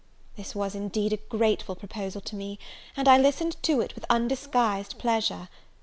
This was, indeed, a grateful proposal to me, and I listened to it with undisguised pleasure.